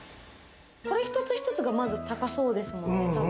これ、一つ一つがまず高そうですもん。